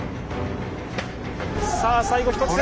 さあ最後１つ。